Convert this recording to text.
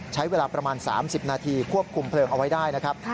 ใช้เวลาประมาณ๓๐นาทีควบคุมเพลิงเอาไว้ได้นะครับ